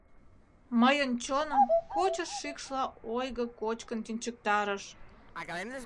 Мыйын чоным кочо шикшла ойго кочкын тӱнчыктарыш.